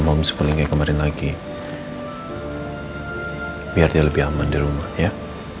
maka malem itu malem itu yang tau saya makasih